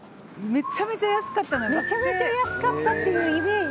めちゃめちゃ安かったっていうイメージ。